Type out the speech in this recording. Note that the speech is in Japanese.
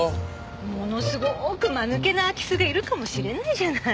ものすごーく間抜けな空き巣がいるかもしれないじゃない。